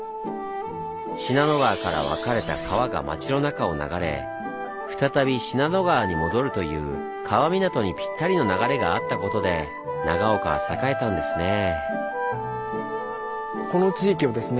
信濃川から分かれた川が町の中を流れ再び信濃川に戻るという川港にぴったりの流れがあったことで長岡は栄えたんですねぇ。